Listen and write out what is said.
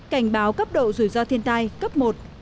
cảnh báo cấp độ rủi ro thiên tai cấp một